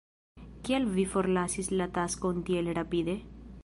Kial vi forlasis la taskon tiel rapide?